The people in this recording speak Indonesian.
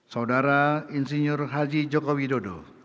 saudara insinyur haji joko widodo